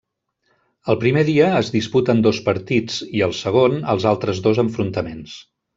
El primer dia es disputen dos partits, i el segon, els altres dos enfrontaments.